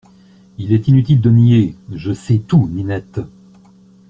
Il est inutile de nier… je sais tout NINETTE.